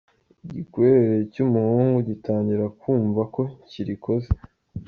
Igikwerere cy'umuhungu gitangira kumva ko kirikoze.